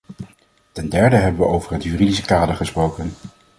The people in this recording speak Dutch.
Ten derde hebben we over het juridische kader gesproken.